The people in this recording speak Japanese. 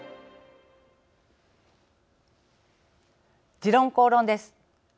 「時論公論」です。